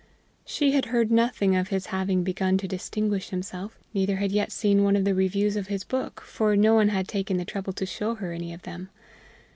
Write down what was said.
She had heard nothing of his having begun to distinguish himself, neither had yet seen one of the reviews of his book, for no one had taken the trouble to show her any of them.